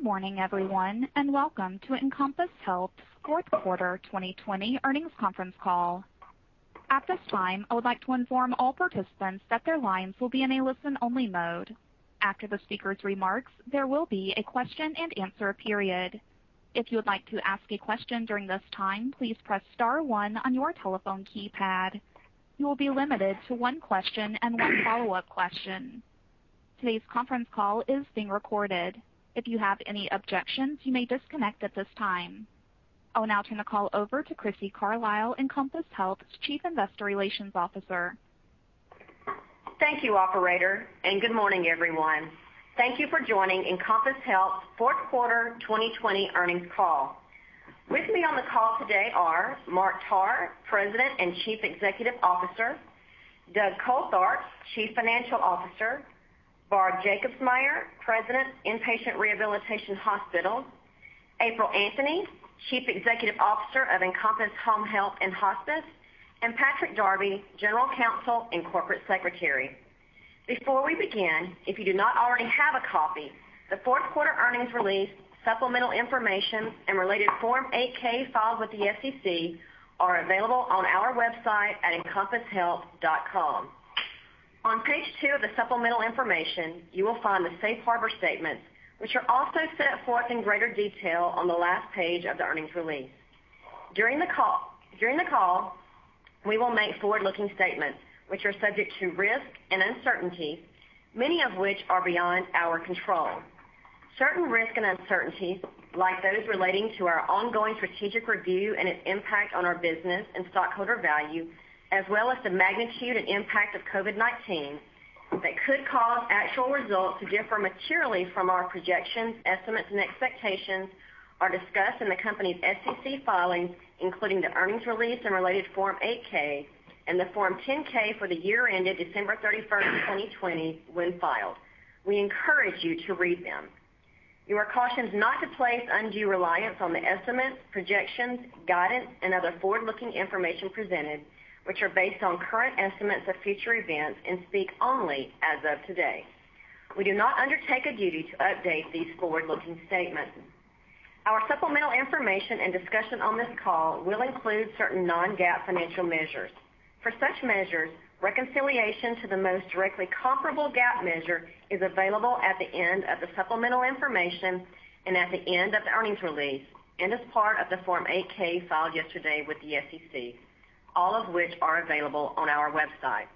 Good morning, everyone, and Welcome to Encompass Health's fourth quarter 2020 earnings conference call. At this time, I would like to inform all participants that their lines will be in a listen-only mode. After the speaker's remarks, there will be a question-and-answer period. If you would like to ask a question during this time, please press star one on your telephone keypad. You will be limited to one question and one follow-up question. Today's conference call is being recorded. If you have any objections, you may disconnect at this time. I will now turn the call over to Crissy Carlisle, Encompass Health's Chief Investor Relations Officer. Thank you, operator. Good morning, everyone. Thank you for joining Encompass Health's fourth quarter 2020 earnings call. With me on the call today are Mark Tarr, President and Chief Executive Officer, Doug Coltharp, Chief Financial Officer, Barb Jacobsmeyer, President, Inpatient Rehabilitation Hospitals, April Anthony, Chief Executive Officer of Encompass Home Health and Hospice, and Patrick Darby, General Counsel and Corporate Secretary. Before we begin, if you do not already have a copy, the fourth quarter earnings release, supplemental information, and related Form 8-K filed with the SEC are available on our website at encompasshealth.com. On page two of the supplemental information, you will find the safe harbor statements, which are also set forth in greater detail on the last page of the earnings release. During the call, we will make forward-looking statements which are subject to risk and uncertainty, many of which are beyond our control. Certain risks and uncertainties, like those relating to our ongoing strategic review and its impact on our business and stockholder value, as well as the magnitude and impact of COVID-19 that could cause actual results to differ materially from our projections, estimates, and expectations are discussed in the company's SEC filings, including the earnings release and related Form 8-K, and the Form 10-K for the year ended December 31st, 2020 when filed. We encourage you to read them. You are cautioned not to place undue reliance on the estimates, projections, guidance, and other forward-looking information presented, which are based on current estimates of future events and speak only as of today. We do not undertake a duty to update these forward-looking statements. Our supplemental information and discussion on this call will include certain non-GAAP financial measures. For such measures, reconciliation to the most directly comparable GAAP measure is available at the end of the supplemental information and at the end of the earnings release, and as part of the Form 8-K filed yesterday with the SEC, all of which are available on our website.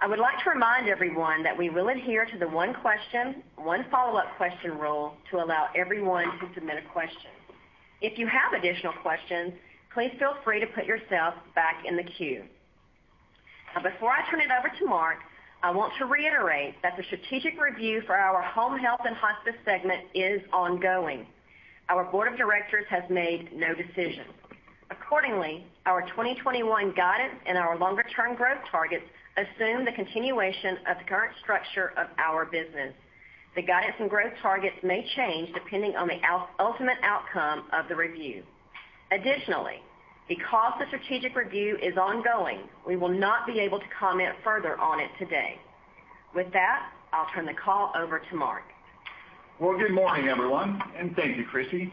I would like to remind everyone that we will adhere to the one question, one follow-up question rule to allow everyone to submit a question. If you have additional questions, please feel free to put yourself back in the queue. Before I turn it over to Mark, I want to reiterate that the strategic review for our Encompass Home Health and Hospice is ongoing. Our board of directors has made no decision. Accordingly, our 2021 guidance and our longer-term growth targets assume the continuation of the current structure of our business. The guidance and growth targets may change depending on the ultimate outcome of the review. Additionally, because the strategic review is ongoing, we will not be able to comment further on it today. With that, I'll turn the call over to Mark. Well, good morning, everyone, thank you, Crissy.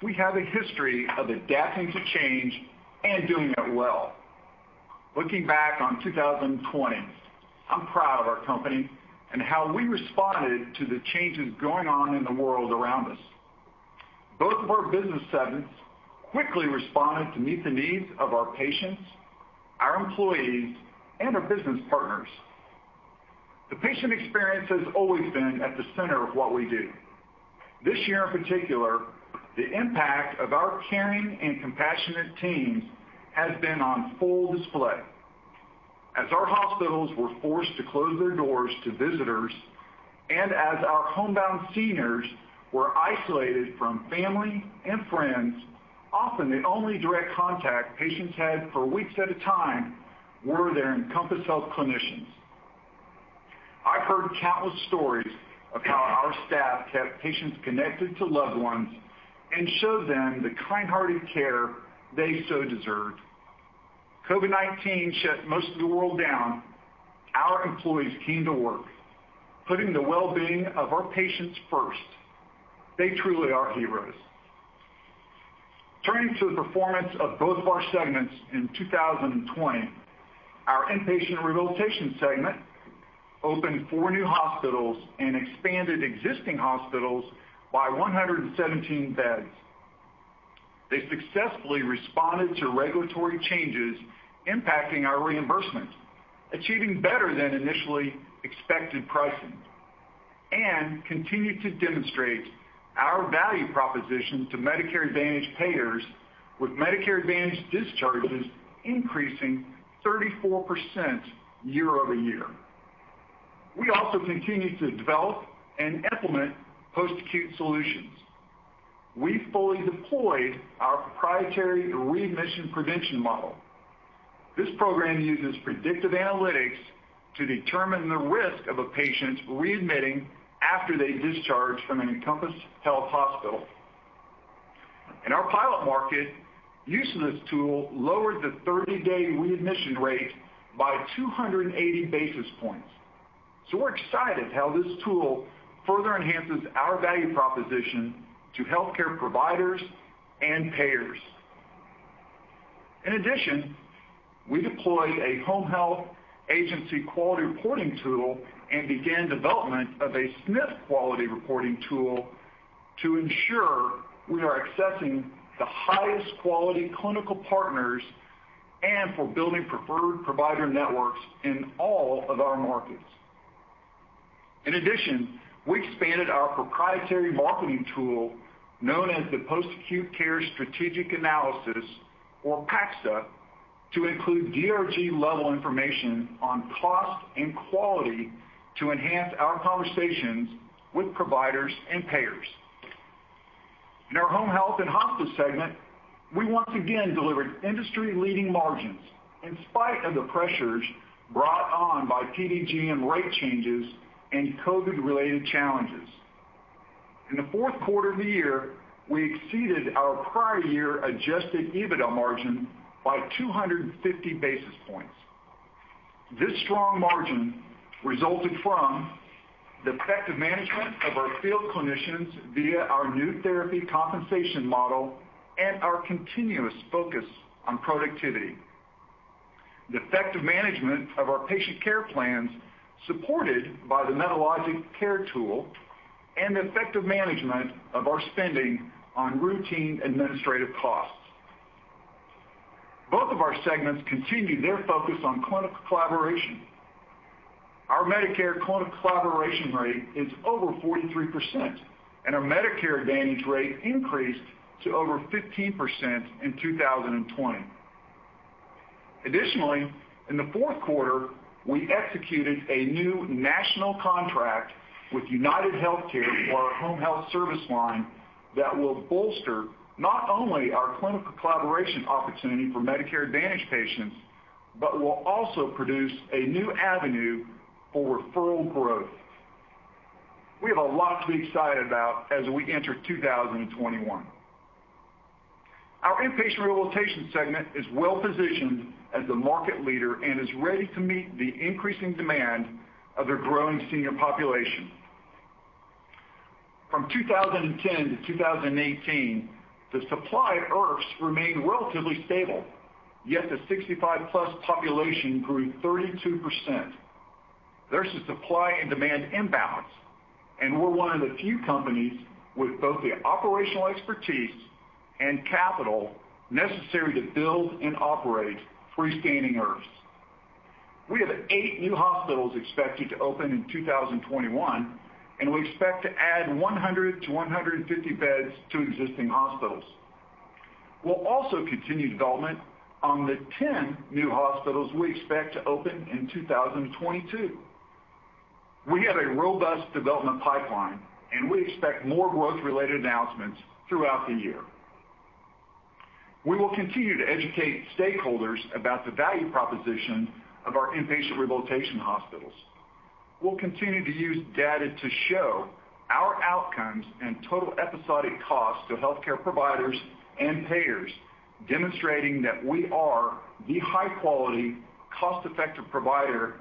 We have a history of adapting to change and doing it well. Looking back on 2020, I'm proud of our company and how we responded to the changes going on in the world around us. Both of our business segments quickly responded to meet the needs of our patients, our employees, and our business partners. The patient experience has always been at the center of what we do. This year in particular, the impact of our caring and compassionate teams has been on full display. As our hospitals were forced to close their doors to visitors, and as our homebound seniors were isolated from family and friends, often the only direct contact patients had for weeks at a time were their Encompass Health clinicians. I've heard countless stories of how our staff kept patients connected to loved ones and showed them the kind-hearted care they so deserved. COVID-19 shut most of the world down. Our employees came to work, putting the well-being of our patients first. They truly are heroes. Turning to the performance of both of our segments in 2020, our inpatient rehabilitation segment opened four new hospitals and expanded existing hospitals by 117 beds. They successfully responded to regulatory changes impacting our reimbursement, achieving better than initially expected pricing, and continued to demonstrate our value proposition to Medicare Advantage payers with Medicare Advantage discharges increasing 34% year-over-year. We also continued to develop and implement post-acute solutions. We fully deployed our proprietary readmission prevention model. This program uses predictive analytics to determine the risk of a patient readmitting after they discharge from an Encompass Health. Use of this tool lowered the 30-day readmission rate by 280 basis points. We're excited how this tool further enhances our value proposition to healthcare providers and payers. In addition, we deployed a home health agency quality reporting tool and began development of a SNF quality reporting tool to ensure we are accessing the highest quality clinical partners and for building preferred provider networks in all of our markets. In addition, we expanded our proprietary marketing tool, known as the Post-Acute Care Strategic Analysis, or PACSA, to include DRG-level information on cost and quality to enhance our conversations with providers and payers. In our home health and hospice segment, we once again delivered industry-leading margins in spite of the pressures brought on by PDGM rate changes and COVID-related challenges. In the fourth quarter of the year, we exceeded our prior year adjusted EBITDA margin by 250 basis points. This strong margin resulted from the effective management of our field clinicians via our new therapy compensation model and our continuous focus on productivity, the effective management of our patient care plans supported by the Medalogix Care tool, and the effective management of our spending on routine administrative costs. Both of our segments continued their focus on clinical collaboration. Our Medicare clinical collaboration rate is over 43%, and our Medicare Advantage rate increased to over 15% in 2020. In the fourth quarter, we executed a new national contract with UnitedHealthcare for our home health service line that will bolster not only our clinical collaboration opportunity for Medicare Advantage patients, but will also produce a new avenue for referral growth. We have a lot to be excited about as we enter 2021. Our inpatient rehabilitation segment is well-positioned as the market leader and is ready to meet the increasing demand of their growing senior population. From 2010 to 2018, the supply of IRFs remained relatively stable, yet the 65+ population grew 32%. There's a supply and demand imbalance, and we're one of the few companies with both the operational expertise and capital necessary to build and operate freestanding IRFs. We have eight new hospitals expected to open in 2021, and we expect to add 100 to 150 beds to existing hospitals. We'll also continue development on the 10 new hospitals we expect to open in 2022. We have a robust development pipeline, and we expect more growth-related announcements throughout the year. We will continue to educate stakeholders about the value proposition of our inpatient rehabilitation hospitals. We'll continue to use data to show our outcomes and total episodic costs to healthcare providers and payers, demonstrating that we are the high-quality, cost-effective provider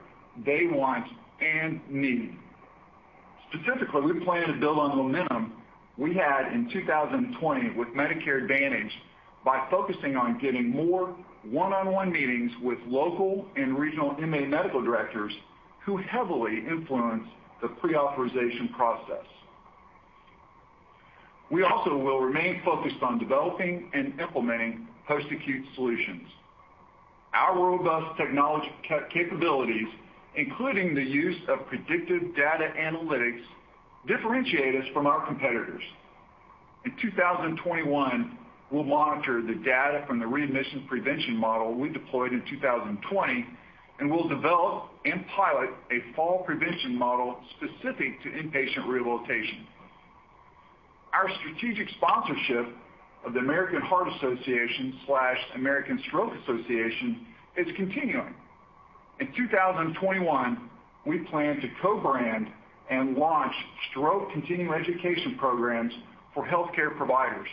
they want and need. Specifically, we plan to build on the momentum we had in 2020 with Medicare Advantage by focusing on getting more one-on-one meetings with local and regional MA medical directors who heavily influence the pre-authorization process. We also will remain focused on developing and implementing post-acute solutions. Our robust technology capabilities, including the use of predictive data analytics, differentiate us from our competitors. In 2021, we'll monitor the data from the readmission prevention model we deployed in 2020, and we'll develop and pilot a fall prevention model specific to inpatient rehabilitation. Our strategic sponsorship of the American Heart Association/American Stroke Association is continuing. In 2021, we plan to co-brand and launch stroke continuing education programs for healthcare providers.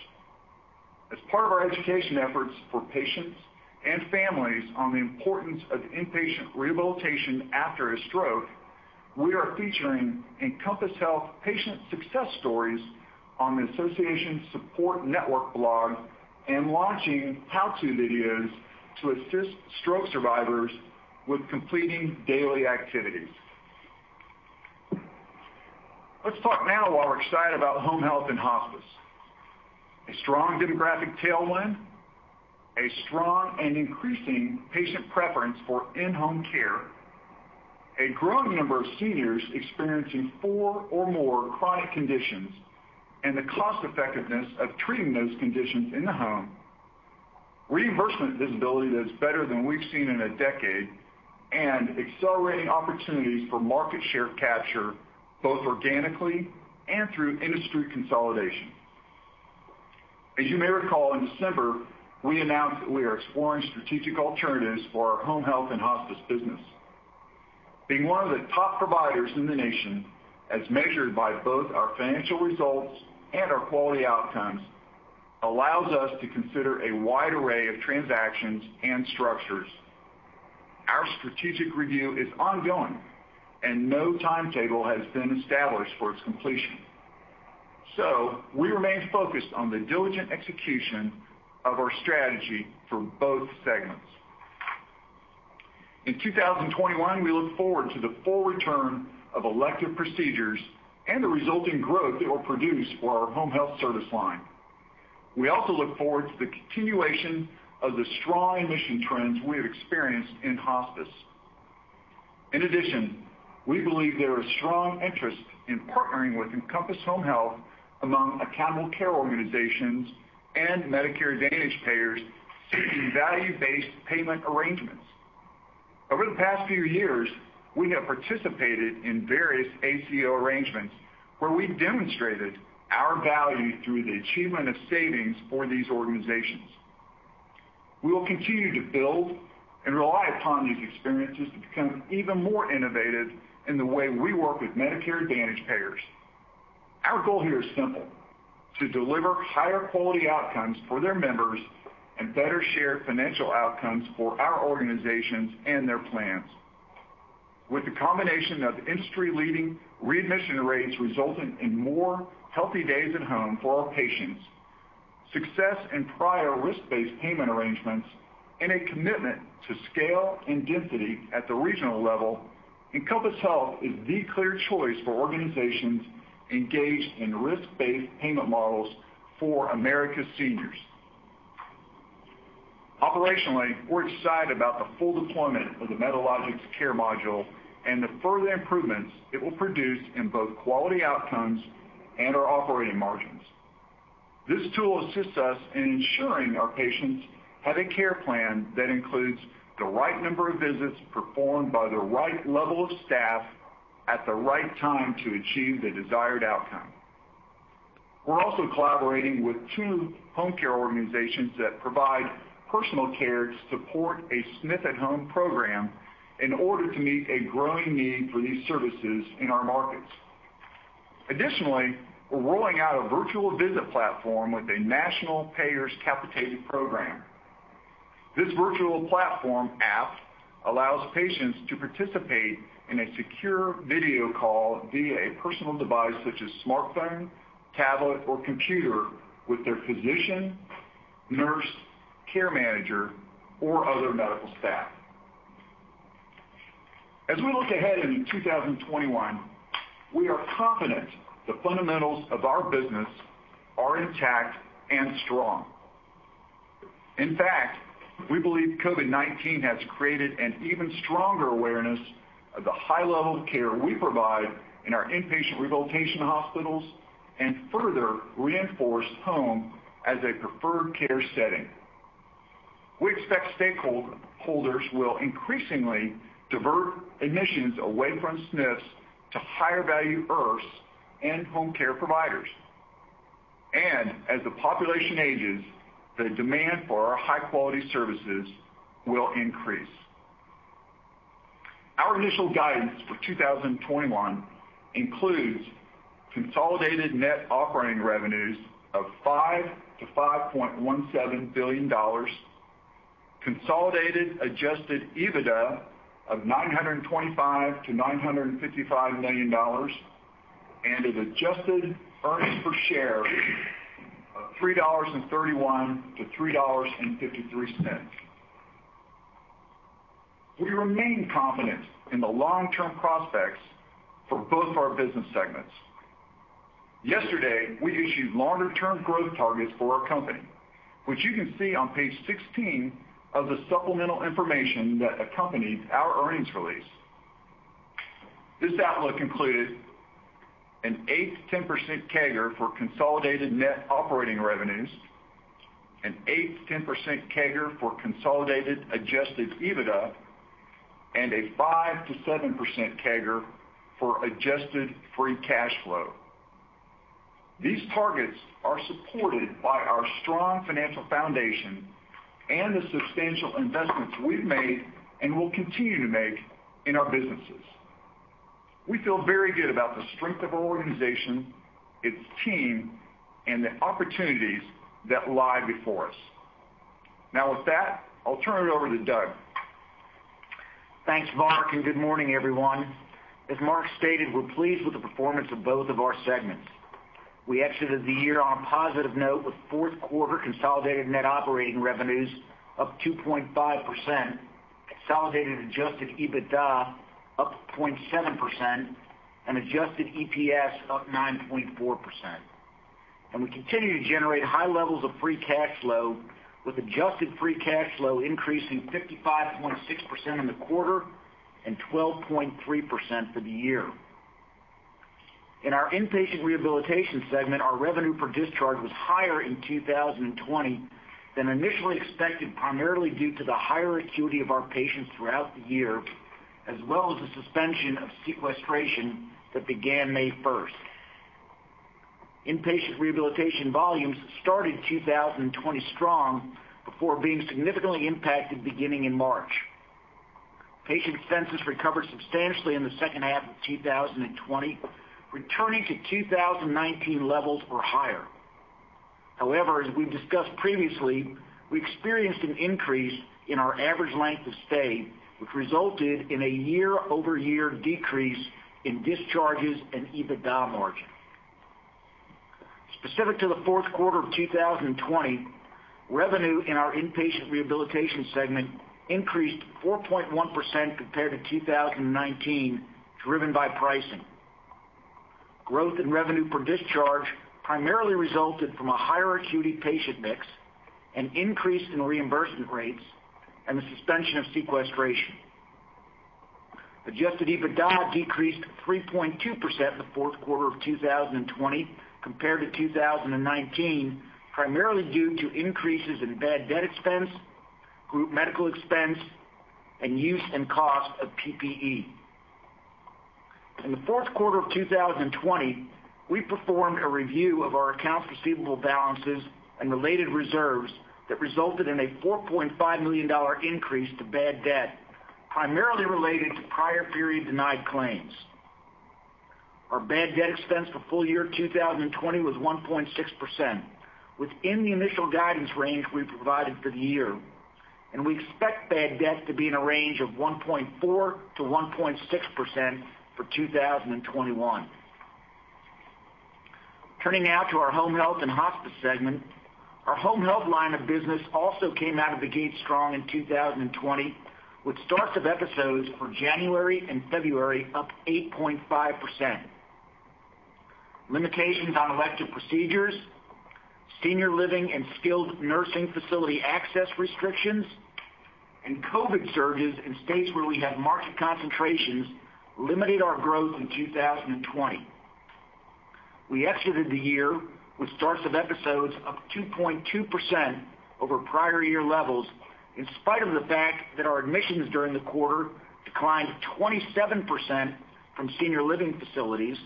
As part of our education efforts for patients and families on the importance of inpatient rehabilitation after a stroke, we are featuring Encompass Health patient success stories on the association support network blog and launching how-to videos to assist stroke survivors with completing daily activities. Let's talk now why we're excited about home health and hospice. A strong demographic tailwind, a strong and increasing patient preference for in-home care, a growing number of seniors experiencing four or more chronic conditions, and the cost-effectiveness of treating those conditions in the home, reimbursement visibility that's better than we've seen in a decade, and accelerating opportunities for market share capture, both organically and through industry consolidation. As you may recall, in December, we announced that we are exploring strategic alternatives for our home health and hospice business. Being one of the top providers in the nation as measured by both our financial results and our quality outcomes, allows us to consider a wide array of transactions and structures. Our strategic review is ongoing and no timetable has been established for its completion. We remain focused on the diligent execution of our strategy for both segments. In 2021, we look forward to the full return of elective procedures and the resulting growth it will produce for our home health service line. We also look forward to the continuation of the strong admission trends we have experienced in hospice. In addition, we believe there is strong interest in partnering with Encompass Home Health among accountable care organizations and Medicare Advantage payers seeking value-based payment arrangements. Over the past few years, we have participated in various ACO arrangements, where we've demonstrated our value through the achievement of savings for these organizations. We will continue to build and rely upon these experiences to become even more innovative in the way we work with Medicare Advantage payers. Our goal here is simple, to deliver higher quality outcomes for their members and better shared financial outcomes for our organizations and their plans. With the combination of industry-leading readmission rates resulting in more healthy days at home for our patients, success in prior risk-based payment arrangements, and a commitment to scale and density at the regional level, Encompass Health is the clear choice for organizations engaged in risk-based payment models for America's seniors. Operationally, we're excited about the full deployment of the Medalogix Care module and the further improvements it will produce in both quality outcomes and our operating margins. This tool assists us in ensuring our patients have a care plan that includes the right number of visits performed by the right level of staff at the right time to achieve the desired outcome. We're also collaborating with two home care organizations that provide personal care to support a SNF at Home program in order to meet a growing need for these services in our markets. Additionally, we're rolling out a virtual visit platform with a national payers capitated program. This virtual platform app allows patients to participate in a secure video call via a personal device, such as smartphone, tablet, or computer with their physician, nurse, care manager, or other medical staff. As we look ahead into 2021, we are confident the fundamentals of our business are intact and strong. In fact, we believe COVID-19 has created an even stronger awareness of the high level of care we provide in our inpatient rehabilitation hospitals, further reinforced home as a preferred care setting. We expect stakeholders will increasingly divert admissions away from SNFs to higher-value IRFs and home care providers. As the population ages, the demand for our high-quality services will increase. Our initial guidance for 2021 includes consolidated net operating revenues of $5 billion-$5.17 billion, consolidated adjusted EBITDA of $925 million-$955 million, and an adjusted earnings per share of $3.31-$3.53. We remain confident in the long-term prospects for both of our business segments. Yesterday, we issued longer-term growth targets for our company, which you can see on page 16 of the supplemental information that accompanied our earnings release. This outlook included an 8%-10% CAGR for consolidated net operating revenues, an 8%-10% CAGR for consolidated adjusted EBITDA, and a 5%-7% CAGR for adjusted free cash flow. These targets are supported by our strong financial foundation and the substantial investments we've made and will continue to make in our businesses. We feel very good about the strength of our organization, its team, and the opportunities that lie before us. With that, I'll turn it over to Doug. Thanks, Mark. Good morning, everyone. As Mark stated, we're pleased with the performance of both of our segments. We exited the year on a positive note with fourth quarter consolidated net operating revenues of 2.5%, consolidated adjusted EBITDA up 0.7%, adjusted EPS up 9.4%. We continue to generate high levels of free cash flow with adjusted free cash flow increasing 55.6% in the quarter and 12.3% for the year. In our inpatient rehabilitation segment, our revenue per discharge was higher in 2020 than initially expected, primarily due to the higher acuity of our patients throughout the year, as well as the suspension of sequestration that began May 1st. Inpatient rehabilitation volumes started 2020 strong before being significantly impacted beginning in March. Patient census recovered substantially in the second half of 2020, returning to 2019 levels or higher. However, as we've discussed previously, we experienced an increase in our average length of stay, which resulted in a year-over-year decrease in discharges and EBITDA margin. Specific to the fourth quarter of 2020, revenue in our inpatient rehabilitation segment increased 4.1% compared to 2019, driven by pricing. Growth in revenue per discharge primarily resulted from a higher acuity patient mix, an increase in reimbursement rates, and the suspension of sequestration. Adjusted EBITDA decreased 3.2% in the fourth quarter of 2020 compared to 2019, primarily due to increases in bad debt expense, group medical expense, and use and cost of PPE. In the fourth quarter of 2020, we performed a review of our accounts receivable balances and related reserves that resulted in a $4.5 million increase to bad debt, primarily related to prior period denied claims. Our bad debt expense for full year 2020 was 1.6%, within the initial guidance range we provided for the year. We expect bad debt to be in a range of 1.4%-1.6% for 2021. Turning now to our Home Health and Hospice segment. Our Home Health line of business also came out of the gate strong in 2020, with starts of episodes for January and February up 8.5%. Limitations on elective procedures, senior living and skilled nursing facility access restrictions, and COVID surges in states where we have market concentrations limited our growth in 2020. We exited the year with starts of episodes up 2.2% over prior year levels, in spite of the fact that our admissions during the quarter declined 27% from senior living facilities,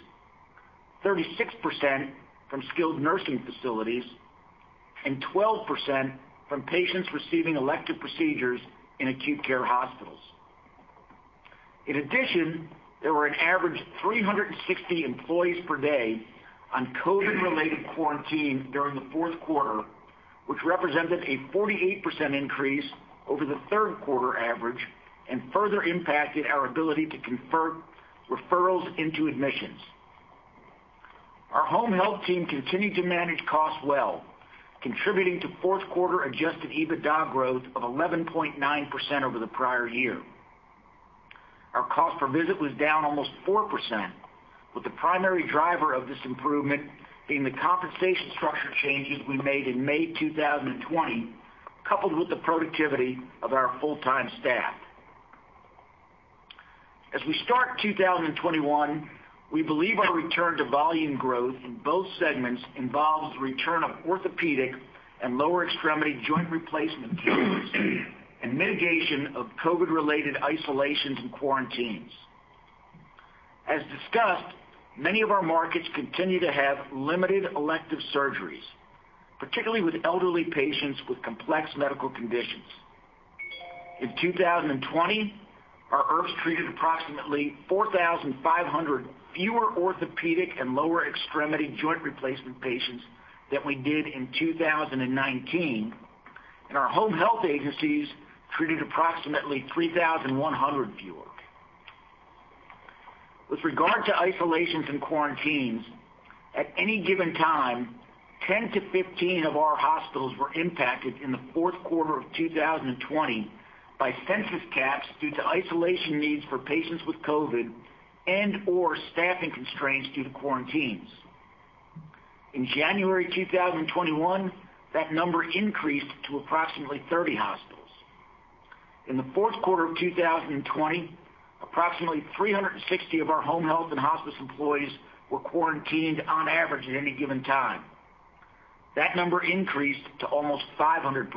36% from skilled nursing facilities, and 12% from patients receiving elective procedures in acute care hospitals. In addition, there were an average 360 employees per day on COVID-related quarantine during the fourth quarter, which represented a 48% increase over the third quarter average and further impacted our ability to convert referrals into admissions. Our Home Health team continued to manage costs well, contributing to fourth quarter adjusted EBITDA growth of 11.9% over the prior year. Our cost per visit was down almost 4%, with the primary driver of this improvement being the compensation structure changes we made in May 2020, coupled with the productivity of our full-time staff. As we start 2021, we believe our return to volume growth in both segments involves the return of orthopedic and lower extremity joint replacement cases and mitigation of COVID-related isolations and quarantines. As discussed, many of our markets continue to have limited elective surgeries, particularly with elderly patients with complex medical conditions. In 2020, our IRFs treated approximately 4,500 fewer orthopedic and lower extremity joint replacement patients than we did in 2019, and our Home Health agencies treated approximately 3,100 fewer. With regard to isolations and quarantines, at any given time, 10-15 of our hospitals were impacted in the fourth quarter of 2020 by census caps due to isolation needs for patients with COVID and/or staffing constraints due to quarantines. In January 2021, that number increased to approximately 30 hospitals. In the fourth quarter of 2020, approximately 360 of our Home Health and Hospice employees were quarantined on average at any given time. That number increased to almost 500.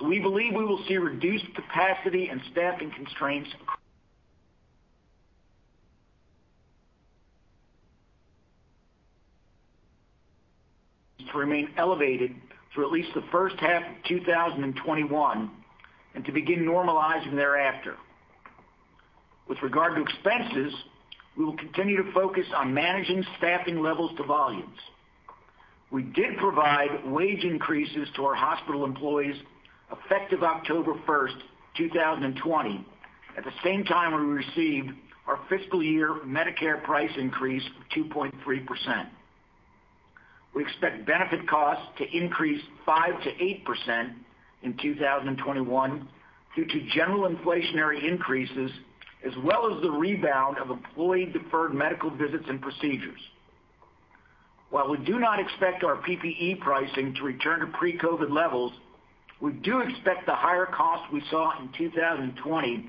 We believe we will see reduced capacity and staffing constraints to remain elevated through at least the first half of 2021 and to begin normalizing thereafter. With regard to expenses, we will continue to focus on managing staffing levels to volumes. We did provide wage increases to our hospital employees effective October 1st, 2020. At the same time, we received our fiscal year Medicare price increase of 2.3%. We expect benefit costs to increase 5%-8% in 2021 due to general inflationary increases, as well as the rebound of employee-deferred medical visits and procedures. While we do not expect our PPE pricing to return to pre-COVID levels, we do expect the higher costs we saw in 2020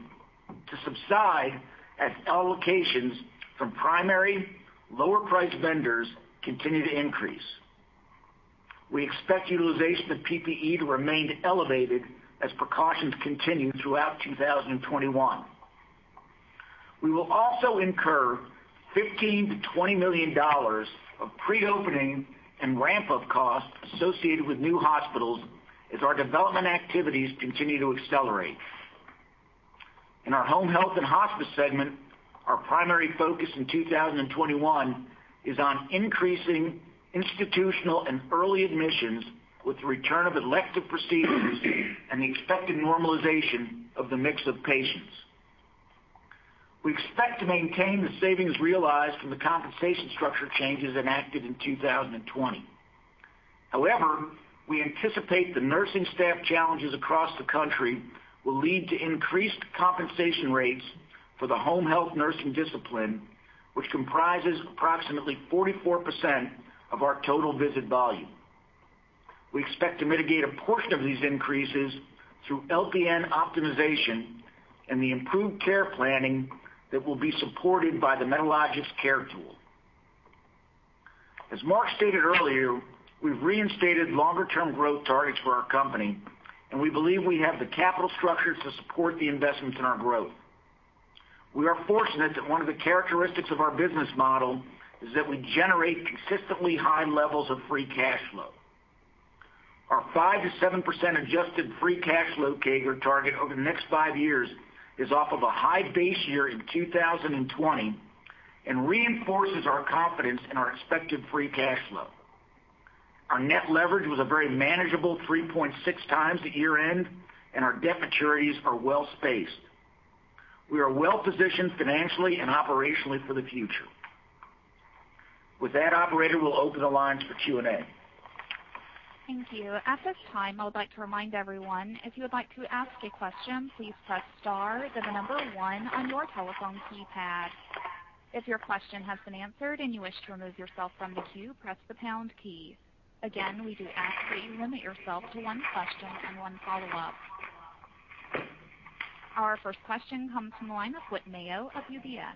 to subside as allocations from primary lower-priced vendors continue to increase. We expect utilization of PPE to remain elevated as precautions continue throughout 2021. We will also incur $15 million-$20 million of pre-opening and ramp-up costs associated with new hospitals as our development activities continue to accelerate. In our Home Health and Hospice segment, our primary focus in 2021 is on increasing institutional and early admissions with the return of elective procedures and the expected normalization of the mix of patients. We expect to maintain the savings realized from the compensation structure changes enacted in 2020. However, we anticipate the nursing staff challenges across the country will lead to increased compensation rates for the home health nursing discipline, which comprises approximately 44% of our total visit volume. We expect to mitigate a portion of these increases through LPN optimization and the improved care planning that will be supported by the Medalogix Care tool. As Mark stated earlier, we've reinstated longer-term growth targets for our company, and we believe we have the capital structure to support the investments in our growth. We are fortunate that one of the characteristics of our business model is that we generate consistently high levels of free cash flow. Our 5%-7% adjusted free cash flow CAGR target over the next five years is off of a high base year in 2020 and reinforces our confidence in our expected free cash flow. Our net leverage was a very manageable 3.6x at year-end, and our debt maturities are well-spaced. We are well-positioned financially and operationally for the future. With that, operator, we'll open the lines for Q&A. Thank you. At this time, I would like to remind everyone, if you would like to ask a question, please press star, then the number one on your telephone keypad. If your question has been answered and you wish to remove yourself from the queue, press the pound key. Again, we do ask that you limit yourself to one question and one follow-up. Our first question comes from the line of Whit Mayo of UBS.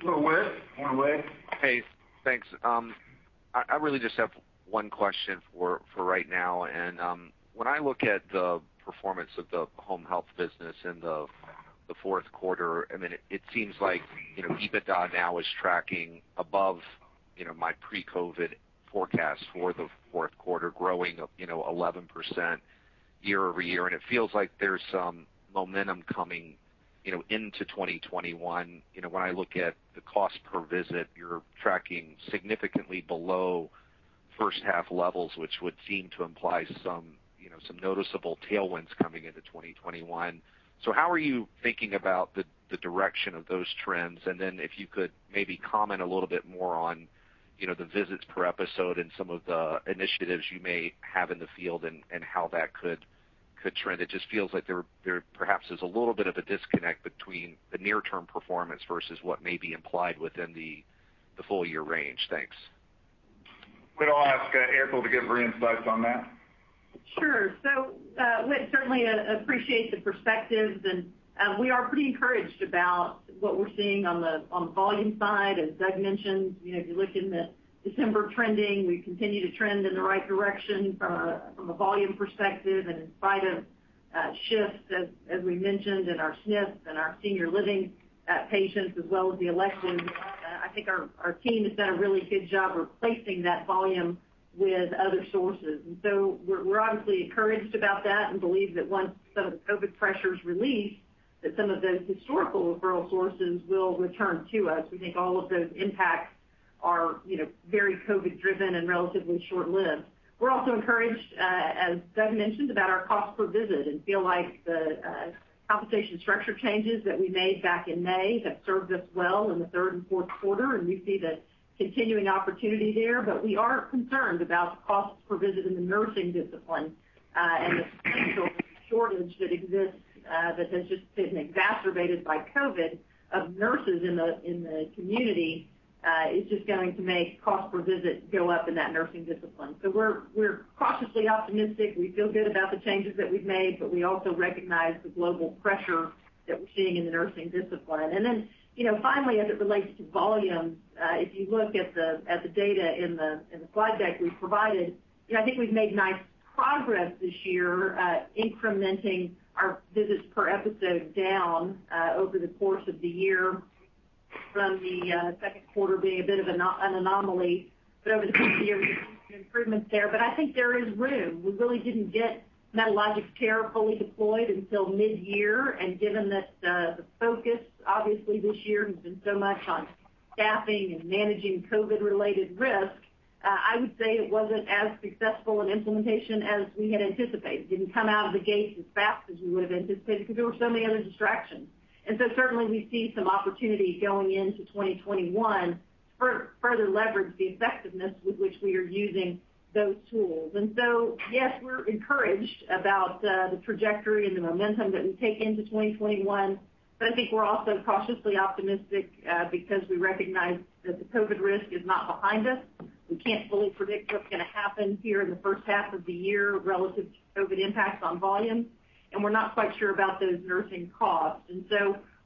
Go, Whit. Morning, Whit. Hey, thanks. I really just have one question for right now. When I look at the performance of the Home Health business in the fourth quarter, it seems like EBITDA now is tracking above my pre-COVID-19 forecast for the fourth quarter, growing 11% year-over-year. It feels like there's some momentum coming into 2021. When I look at the cost per visit, you're tracking significantly below first half levels, which would seem to imply some noticeable tailwinds coming into 2021. How are you thinking about the direction of those trends? If you could maybe comment a little bit more on the visits per episode and some of the initiatives you may have in the field and how that could trend. It just feels like there perhaps is a little bit of a disconnect between the near-term performance versus what may be implied within the full-year range. Thanks. I'm going to ask April to give her insights on that. Sure. Whit, certainly appreciate the perspectives, we are pretty encouraged about what we're seeing on the volume side. As Doug mentioned, if you look in the December trending, we continue to trend in the right direction from a volume perspective. In spite of shifts, as we mentioned in our SNF and our senior living patients as well as the electives, I think our team has done a really good job replacing that volume with other sources. We're obviously encouraged about that and believe that once some of the COVID pressures release, that some of those historical referral sources will return to us. We think all of those impacts are very COVID-driven and relatively short-lived. We're also encouraged, as Doug mentioned, about our cost per visit and feel like the compensation structure changes that we made back in May have served us well in the third and fourth quarter, and we see the continuing opportunity there. We are concerned about the costs per visit in the nursing discipline and the potential shortage that exists that has just been exacerbated by COVID of nurses in the community. It's just going to make cost per visit go up in that nursing discipline. We're cautiously optimistic. We feel good about the changes that we've made, but we also recognize the global pressure that we're seeing in the nursing discipline. Then finally, as it relates to volume, if you look at the data in the slide deck we provided, I think we've made nice progress this year incrementing our visits per episode down over the course of the year from the second quarter being a bit of an anomaly. Over the course of the year, we've seen improvements there. I think there is room. We really didn't get Medalogix Care fully deployed until mid-year, and given that the focus, obviously this year, has been so much on staffing and managing COVID-related risk, I would say it wasn't as successful an implementation as we had anticipated. Didn't come out of the gates as fast as we would've anticipated because there were so many other distractions. Certainly we see some opportunity going into 2021 to further leverage the effectiveness with which we are using those tools. Yes, we're encouraged about the trajectory and the momentum that we take into 2021. We're also cautiously optimistic because we recognize that the COVID risk is not behind us. We can't fully predict what's going to happen here in the first half of the year relative to COVID impacts on volume, and we're not quite sure about those nursing costs.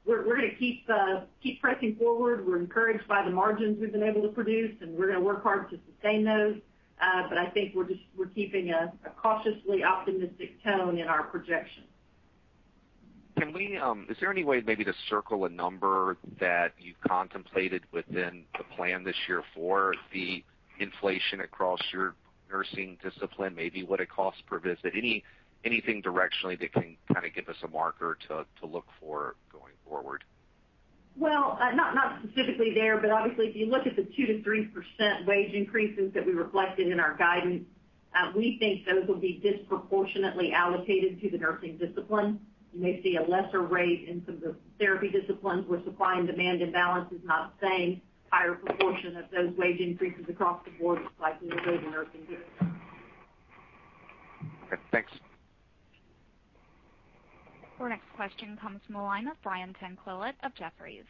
We're going to keep pressing forward. We're encouraged by the margins we've been able to produce. We're going to work hard to sustain those. I think we're keeping a cautiously optimistic tone in our projections. Is there any way maybe to circle a number that you contemplated within the plan this year for the inflation across your nursing discipline, maybe what it costs per visit? Anything directionally that can give us a marker to look for going forward? Well, not specifically there, but obviously if you look at the 2%-3% wage increases that we reflected in our guidance, we think those will be disproportionately allocated to the nursing discipline. You may see a lesser rate in some of the therapy disciplines where supply and demand imbalance is not the same. Higher proportion of those wage increases across the board is likely to go to the nursing discipline. Okay, thanks. Our next question comes from the line of Brian Tanquilut of Jefferies.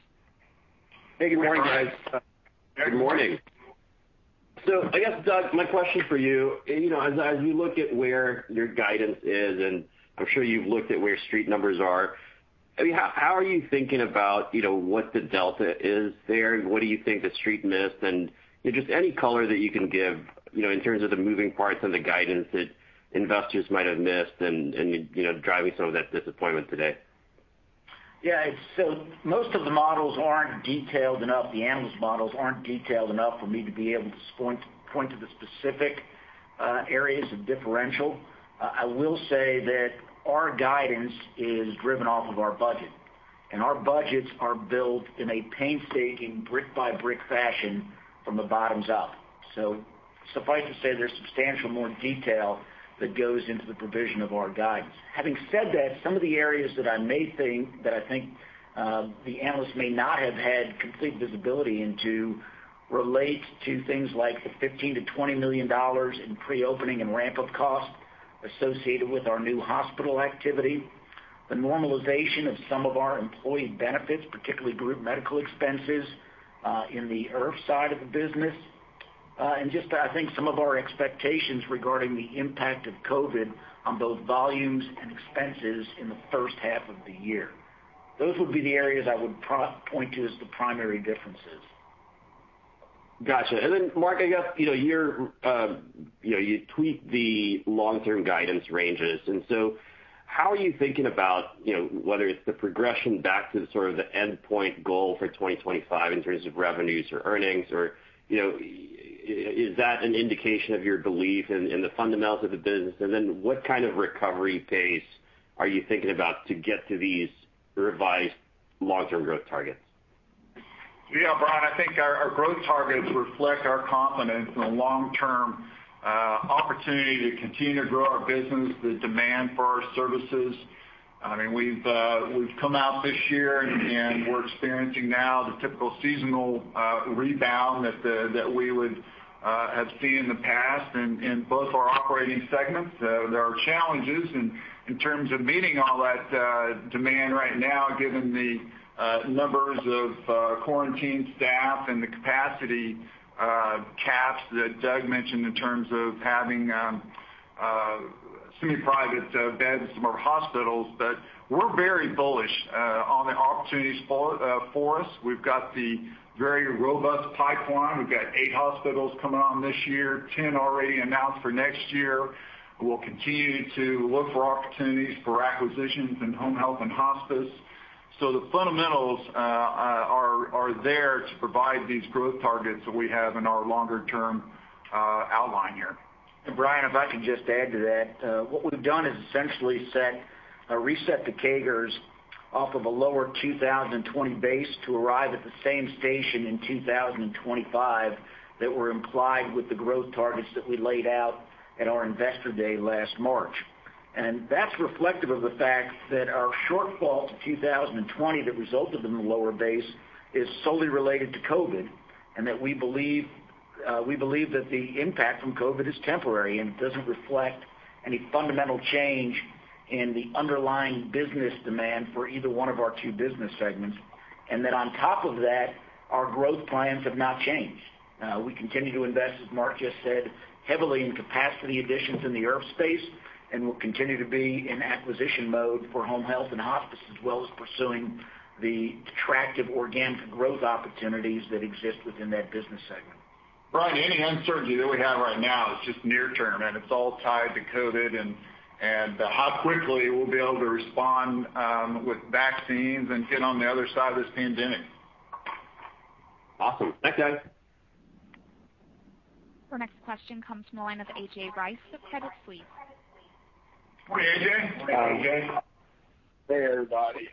Hey, good morning, guys. Good morning. I guess, Doug, my question for you, as you look at where your guidance is, and I'm sure you've looked at where street numbers are, how are you thinking about what the delta is there and what do you think the street missed? Just any color that you can give, in terms of the moving parts and the guidance that investors might have missed and driving some of that disappointment today. Most of the models aren't detailed enough, the analyst models aren't detailed enough for me to be able to point to the specific areas of differential. I will say that our guidance is driven off of our budget, and our budgets are built in a painstaking brick-by-brick fashion from the bottoms up. Suffice to say, there's substantial more detail that goes into the provision of our guidance. Having said that, some of the areas that I think the analysts may not have had complete visibility into relate to things like the $15 million-$20 million in pre-opening and ramp-up costs associated with our new hospital activity, the normalization of some of our employee benefits, particularly group medical expenses in the IRF side of the business. I think some of our expectations regarding the impact of COVID on both volumes and expenses in the first half of the year. Those would be the areas I would point to as the primary differences. Got you. Mark, I guess, you tweaked the long-term guidance ranges, how are you thinking about whether it's the progression back to the sort of the endpoint goal for 2025 in terms of revenues or earnings, or is that an indication of your belief in the fundamentals of the business? What kind of recovery pace are you thinking about to get to these revised long-term growth targets? Brian, I think our growth targets reflect our confidence in the long-term opportunity to continue to grow our business, the demand for our services. We've come out this year and we're experiencing now the typical seasonal rebound that we would have seen in the past in both our operating segments. There are challenges in terms of meeting all that demand right now, given the numbers of quarantined staff and the capacity caps that Doug mentioned in terms of having semi-private beds in some of our hospitals. We're very bullish on the opportunities for us. We've got the very robust pipeline. We've got eight hospitals coming on this year, 10 already announced for next year. We'll continue to look for opportunities for acquisitions in home health and hospice. The fundamentals are there to provide these growth targets that we have in our longer-term outline here. Brian, if I can just add to that. What we've done is essentially reset the CAGRs off of a lower 2020 base to arrive at the same station in 2025 that were implied with the growth targets that we laid out at our investor day last March. That's reflective of the fact that our shortfall to 2020 that resulted in the lower base is solely related to COVID, and that we believe that the impact from COVID is temporary and doesn't reflect any fundamental change in the underlying business demand for either one of our two business segments. On top of that, our growth plans have not changed. We continue to invest, as Mark just said, heavily in capacity additions in the IRF space, and we'll continue to be in acquisition mode for Home Health and Hospice, as well as pursuing the attractive organic growth opportunities that exist within that business segment. Brian, any uncertainty that we have right now is just near term. It's all tied to COVID and how quickly we'll be able to respond with vaccines and get on the other side of this pandemic. Awesome. Thanks, guys. Our next question comes from the line of A.J. Rice of Credit Suisse. Morning, A.J. Morning, A.J. Hey, everybody.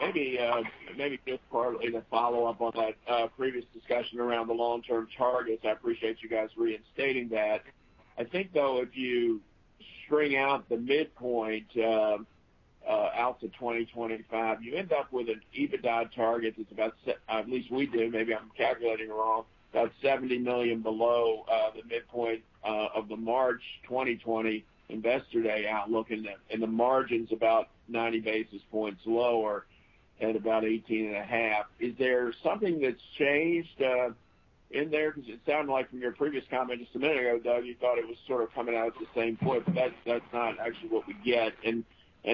Maybe this part is a follow-up on that previous discussion around the long-term targets. I appreciate you guys reinstating that. I think, though, if you string out the midpoint out to 2025, you end up with an EBITDA target that's about, at least we do, maybe I'm calculating it wrong, about $70 million below the midpoint of the March 2020 investor day outlook, and the margin's about 90 basis points lower at about 18.5%. Is there something that's changed in there? Because it sounded like from your previous comment just a minute ago, Doug, you thought it was sort of coming out at the same point, but that's not actually what we get.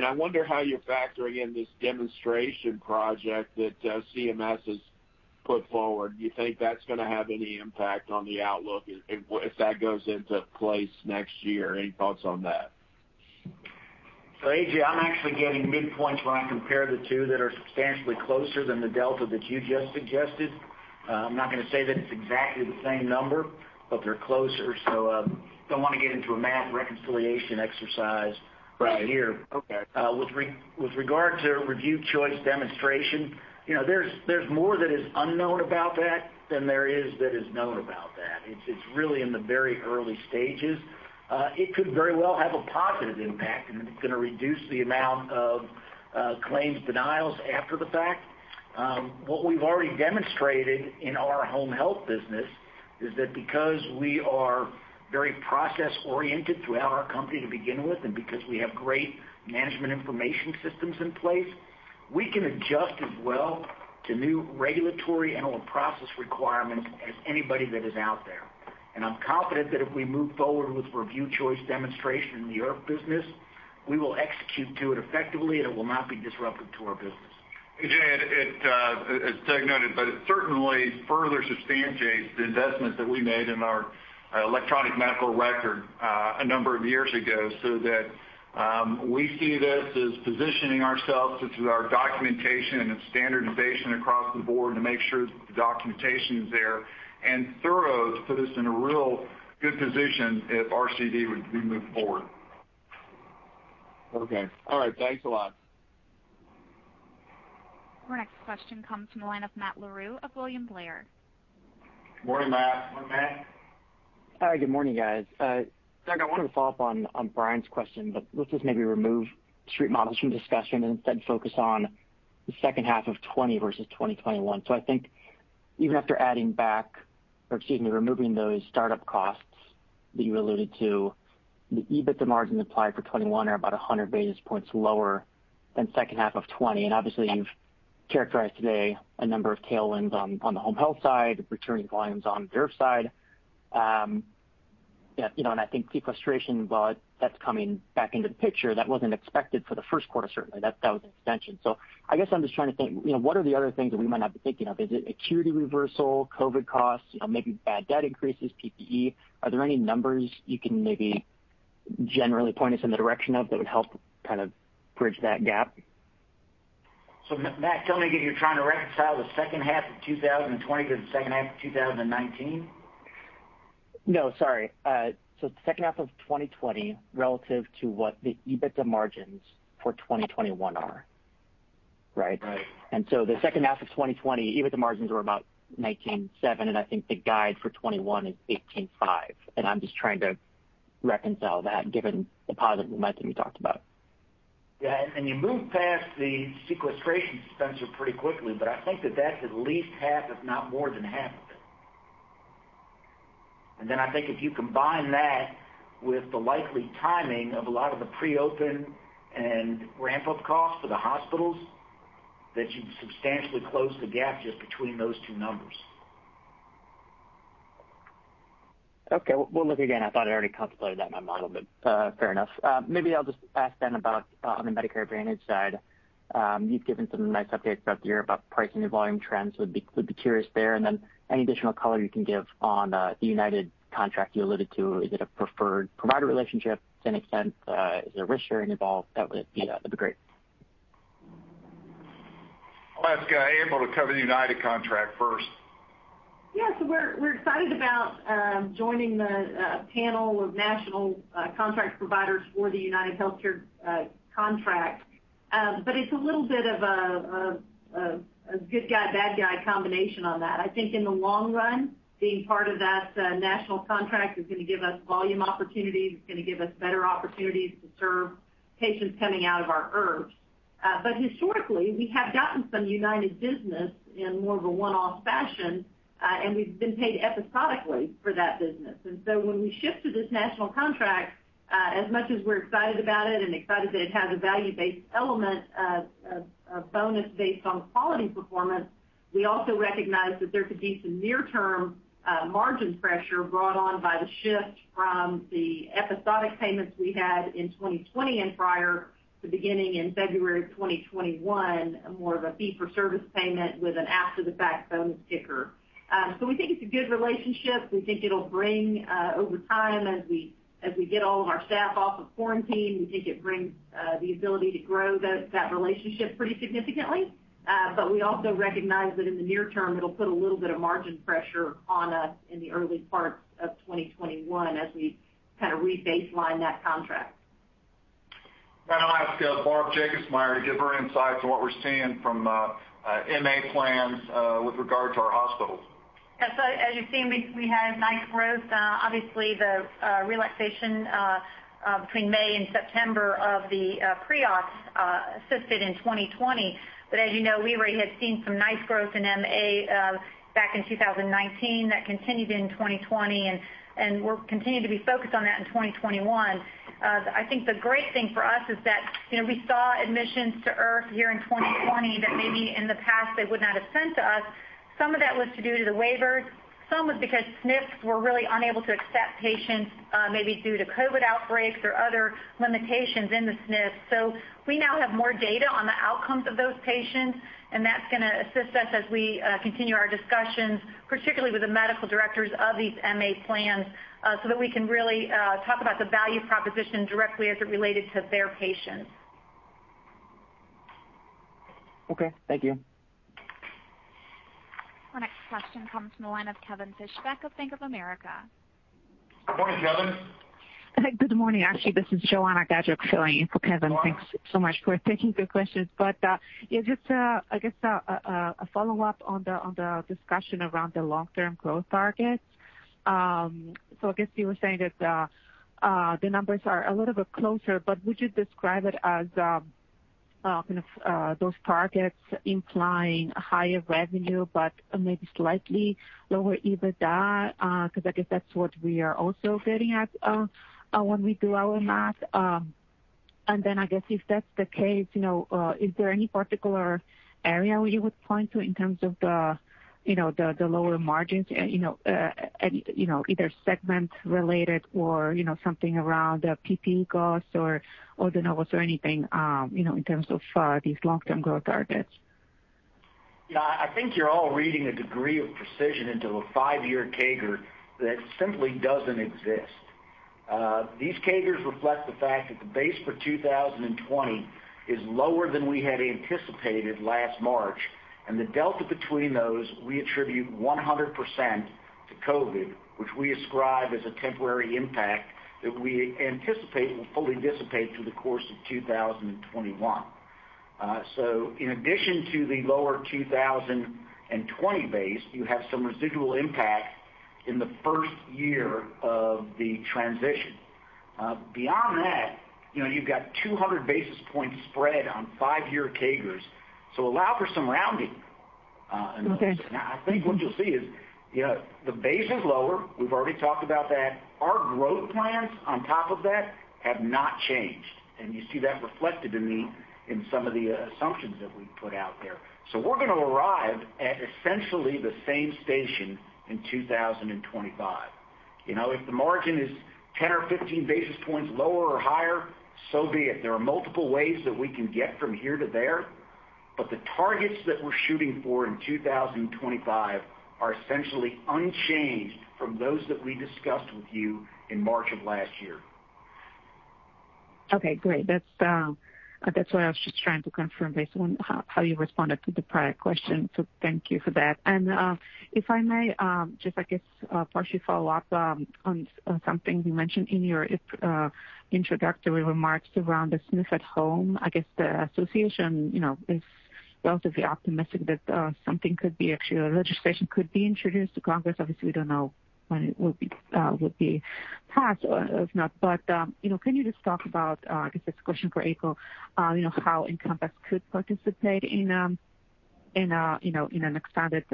I wonder how you're factoring in this demonstration project that CMS has put forward. Do you think that's going to have any impact on the outlook if that goes into place next year? Any thoughts on that? A.J., I'm actually getting midpoints when I compare the two that are substantially closer than the delta that you just suggested. I'm not going to say that it's exactly the same number, but they're closer. Don't want to get into a math reconciliation exercise right here. Okay. With regard to Review Choice Demonstration, there's more that is unknown about that than there is that is known about that. It's really in the very early stages. It could very well have a positive impact, and it's going to reduce the amount of claims denials after the fact. What we've already demonstrated in our home health business is that because we are very process-oriented throughout our company to begin with, and because we have great management information systems in place, we can adjust as well to new regulatory and/or process requirements as anybody that is out there. I'm confident that if we move forward with Review Choice Demonstration in the IRF business, we will execute to it effectively, and it will not be disruptive to our business. A.J., as Doug noted, but it certainly further substantiates the investment that we made in our electronic medical record a number of years ago, so that we see this as positioning ourselves through our documentation and standardization across the board to make sure that the documentation is there and thorough to put us in a real good position if RCD were to be moved forward. Okay. All right. Thanks a lot. Our next question comes from the line of Matt Larew of William Blair. Morning, Matt. Morning, Matt. All right. Good morning, guys. Doug, I wanted to follow up on Brian's question, but let's just maybe remove Street models from discussion and instead focus on the second half of 2020 versus 2021. I think even after removing those startup costs that you alluded to, the EBITDA margins implied for 2021 are about 100 basis points lower than second half of 2020. Obviously, you've characterized today a number of tailwinds on the home health side, returning volumes on the IRF side. I think sequestration, that's coming back into the picture. That wasn't expected for the first quarter, certainly. That was an extension. I guess I'm just trying to think, what are the other things that we might not be thinking of? Is it acuity reversal, COVID costs, maybe bad debt increases, PPE? Are there any numbers you can maybe generally point us in the direction of that would help kind of bridge that gap? Matt, tell me again, you're trying to reconcile the second half of 2020 to the second half of 2019? No, sorry. The second half of 2020 relative to what the EBITDA margins for 2021 are, right? Right. The second half of 2020, EBITDA margins were about 19.7%, and I think the guide for 2021 is 18.5%. I'm just trying to reconcile that given the positive momentum you talked about. Yeah. You move past the sequestration expense pretty quickly, but I think that that's at least half, if not more than half of it. Then I think if you combine that with the likely timing of a lot of the pre-open and ramp-up costs for the hospitals, that you've substantially closed the gap just between those two numbers. Okay. Well, look, again, I thought I already contemplated that in my model, but fair enough. Maybe I'll just ask then about on the Medicare Advantage side. You've given some nice updates throughout the year about pricing and volume trends, would be curious there. Any additional color you can give on the United contract you alluded to. Is it a preferred provider relationship to any extent? Is there risk sharing involved? That'd be great. I'll ask April to cover the United contract first. Yeah. We're excited about joining the panel of national contract providers for the UnitedHealthcare contract. It's a little bit of a good guy, bad guy combination on that. I think in the long run, being part of that national contract is going to give us volume opportunities. It's going to give us better opportunities to serve patients coming out of our IRFs. Historically, we have gotten some United business in more of a one-off fashion, and we've been paid episodically for that business. When we shift to this national contract, as much as we're excited about it and excited that it has a value-based element of a bonus based on quality performance, we also recognize that there could be some near-term margin pressure brought on by the shift from the episodic payments we had in 2020 and prior to beginning in February 2021, more of a fee-for-service payment with an after-the-fact bonus kicker. We think it's a good relationship. Over time, as we get all of our staff off of quarantine, we think it brings the ability to grow that relationship pretty significantly. We also recognize that in the near term, it'll put a little bit of margin pressure on us in the early part of 2021 as we re-baseline that contract. I'll ask Barb Jacobsmeyer to give her insight to what we're seeing from MA plans with regard to our hospitals. Yes. As you've seen, we had nice growth. Obviously, the relaxation between May and September of the pre-auths assisted in 2020. As you know, we already had seen some nice growth in MA back in 2019. That continued in 2020, and we're continuing to be focused on that in 2021. I think the great thing for us is that we saw admissions to IRF here in 2020 that maybe in the past they would not have sent to us. Some of that was due to the waivers. Some was because SNFs were really unable to accept patients maybe due to COVID-19 outbreaks or other limitations in the SNFs. We now have more data on the outcomes of those patients, and that's going to assist us as we continue our discussions, particularly with the medical directors of these MA plans, so that we can really talk about the value proposition directly as it related to their patients. Okay. Thank you. Our next question comes from the line of Kevin Fischbeck of Bank of America. Good morning, Kevin. Good morning. Actually, this is Joanna Gajuk filling in for Kevin. Joanna. Thanks so much for taking the questions. A follow-up on the discussion around the long-term growth targets. You were saying that the numbers are a little bit closer, but would you describe it as those targets implying higher revenue, but maybe slightly lower EBITDA? Because that's what we are also getting at when we do our math. And then if that's the case, is there any particular area where you would point to in terms of the lower margins? Either segment related or something around the PPE costs or the [inaudible] or anything, in terms of these long-term growth targets? Yeah. I think you're all reading a degree of precision into a five-year CAGR that simply doesn't exist. These CAGRs reflect the fact that the base for 2020 is lower than we had anticipated last March, and the delta between those, we attribute 100% to COVID, which we ascribe as a temporary impact that we anticipate will fully dissipate through the course of 2021. In addition to the lower 2020 base, you have some residual impact in the first year of the transition. Beyond that, you've got 200 basis points spread on five-year CAGRs. Allow for some rounding. Okay. Thank you. I think what you'll see is the base is lower. We've already talked about that. Our growth plans on top of that have not changed, and you see that reflected in some of the assumptions that we put out there. We're going to arrive at essentially the same station in 2025. If the margin is 10 or 15 basis points lower or higher, so be it. There are multiple ways that we can get from here to there. The targets that we're shooting for in 2025 are essentially unchanged from those that we discussed with you in March of last year. Okay, great. That's what I was just trying to confirm based on how you responded to the prior question. Thank you for that. If I may, just I guess partially follow up on something you mentioned in your introductory remarks around the SNF at Home. I guess the association is relatively optimistic that something could be actually, or legislation could be introduced to Congress. Obviously, we don't know when it would be passed or if not. Can you just talk about, I guess it's a question for April, how Encompass could participate in an expanded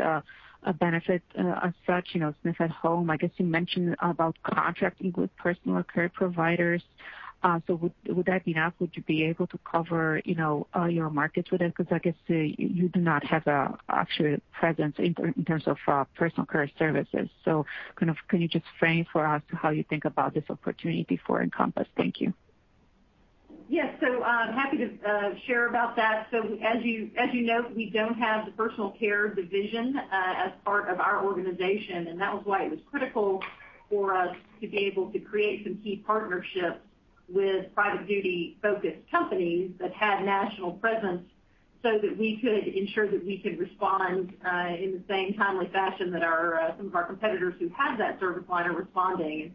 benefit as such, SNF at Home? I guess you mentioned about contracting with personal care providers. Would that be enough? Would you be able to cover all your markets with it? Because I guess you do not have an actual presence in terms of personal care services. Can you just frame for us how you think about this opportunity for Encompass? Thank you. Yes. Happy to share about that. As you note, we don't have the personal care division as part of our organization, and that was why it was critical for us to be able to create some key partnerships with private duty-focused companies that had national presence, so that we could ensure that we could respond in the same timely fashion that some of our competitors who have that service line are responding.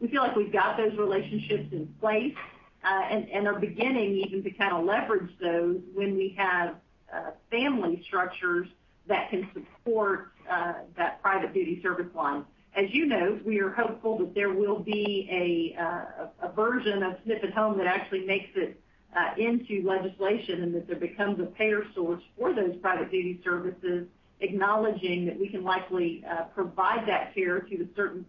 We feel like we've got those relationships in place, and are beginning even to leverage those when we have family structures that can support that private duty service line. As you know, we are hopeful that there will be a version of SNF at Home that actually makes it into legislation and that there becomes a payer source for those private duty services, acknowledging that we can likely provide that care to a certain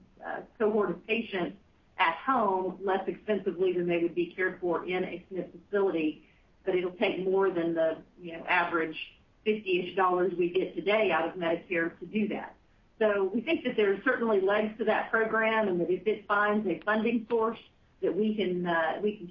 cohort of patients at home less expensively than they would be cared for in a SNF facility. It'll take more than the average $50-ish we get today out of Medicare to do that. We think that there are certainly legs to that program, and that if it finds a funding source, that we can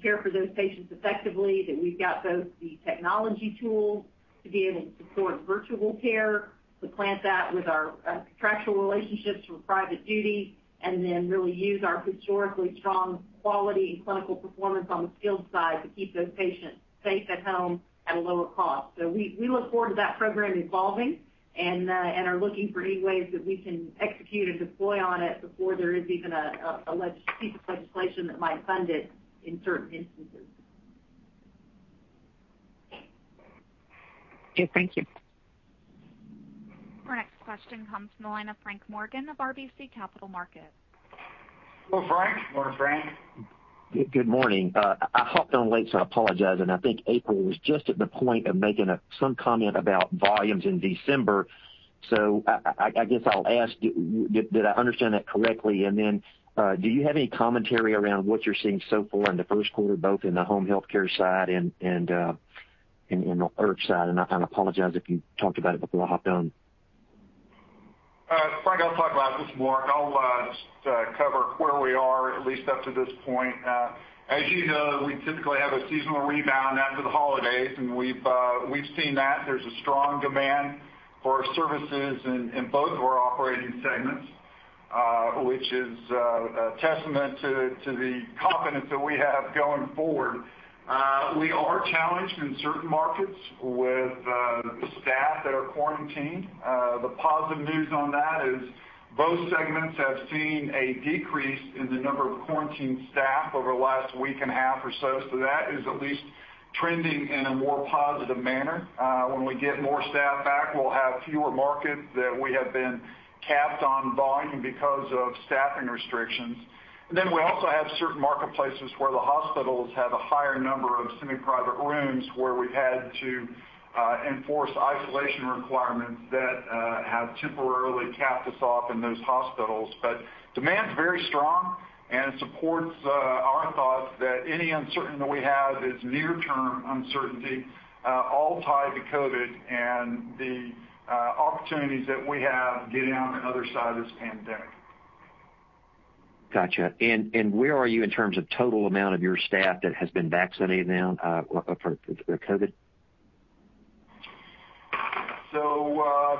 care for those patients effectively, that we've got both the technology tools to be able to support virtual care, to supplement that with our contractual relationships from private duty, and then really use our historically strong quality and clinical performance on the skilled side to keep those patients safe at home at a lower cost. We look forward to that program evolving and are looking for any ways that we can execute or deploy on it before there is even a piece of legislation that might fund it in certain instances. Okay, thank you. Our next question comes from the line of Frank Morgan of RBC Capital Markets. Hello, Frank. Morning, Frank. Good morning. I hopped on late, so I apologize. I think April was just at the point of making some comment about volumes in December. I guess I'll ask, did I understand that correctly? Then, do you have any commentary around what you're seeing so far in the first quarter, both in the home healthcare side and in the IRF side? I apologize if you talked about it before I hopped on. Frank, I'll talk about this more. I'll just cover where we are, at least up to this point. As you know, we typically have a seasonal rebound after the holidays, and we've seen that. There's a strong demand for our services in both of our operating segments, which is a testament to the confidence that we have going forward. We are challenged in certain markets with the staff that are quarantined. The positive news on that is both segments have seen a decrease in the number of quarantined staff over the last week and a half or so. That is at least trending in a more positive manner. When we get more staff back, we'll have fewer markets that we have been capped on volume because of staffing restrictions. We also have certain marketplaces where the hospitals have a higher number of semi-private rooms, where we've had to enforce isolation requirements that have temporarily capped us off in those hospitals. Demand is very strong and supports our thoughts that any uncertainty that we have is near-term uncertainty, all tied to COVID and the opportunities that we have getting on the other side of this pandemic. Got you. Where are you in terms of total amount of your staff that has been vaccinated now for COVID?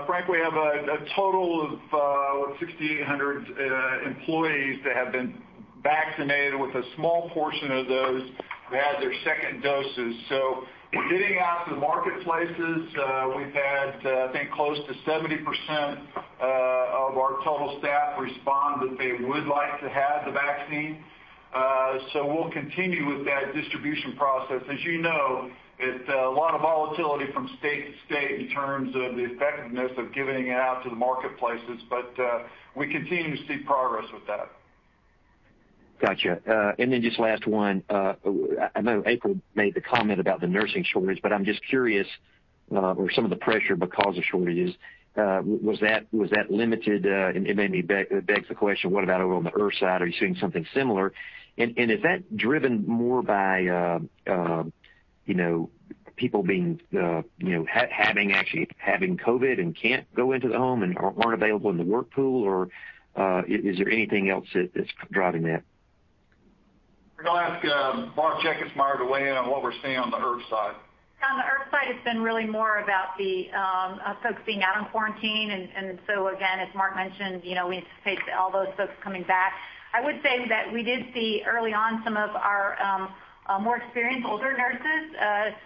Frank, we have a total of 6,800 employees that have been vaccinated, with a small portion of those who had their second doses. Getting out to the marketplaces, we've had, I think, close to 70% of our total staff respond that they would like to have the vaccine. We'll continue with that distribution process. As you know, it's a lot of volatility from state to state in terms of the effectiveness of giving it out to the marketplaces. We continue to see progress with that. Got you. Then just last one. I know April made the comment about the nursing shortage, but I'm just curious, or some of the pressure because of shortages. Was that limited? It made me beg the question, what about over on the IRF side? Are you seeing something similar? Is that driven more by people actually having COVID and can't go into the home and aren't available in the work pool, or is there anything else that's driving that? We're going to ask Barb Jacobsmeyer to weigh in on what we're seeing on the IRF side. On the IRF side, it's been really more about the folks being out on quarantine. Again, as Mark mentioned, we anticipate all those folks coming back. I would say that we did see early on some of our more experienced older nurses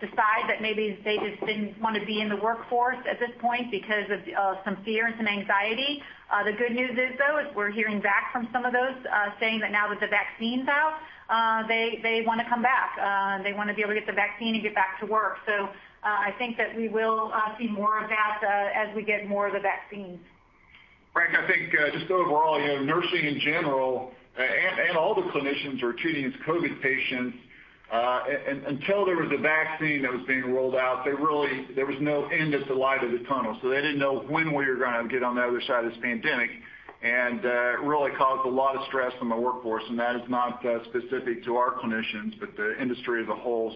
decide that maybe they just didn't want to be in the workforce at this point because of some fear and some anxiety. The good news is, though, is we're hearing back from some of those, saying that now that the vaccine's out, they want to come back. They want to be able to get the vaccine and get back to work. I think that we will see more of that as we get more of the vaccines. Frank, I think just overall, nursing in general, and all the clinicians who are treating these COVID patients, until there was a vaccine that was being rolled out, there was no end at the light of the tunnel. They didn't know when we were going to get on the other side of this pandemic, and it really caused a lot of stress on the workforce. That is not specific to our clinicians, but the industry as a whole.